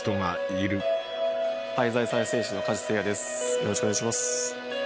よろしくお願いします。